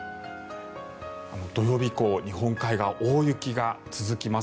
土曜日以降、日本海側大雪が続きます。